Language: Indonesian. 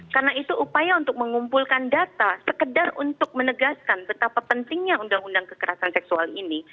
karena itu upaya untuk mengumpulkan data sekedar untuk menegaskan betapa pentingnya undang undang kekerasan seksual ini